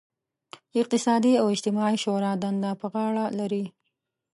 اقتصادي او اجتماعي شورا دنده پر غاړه لري.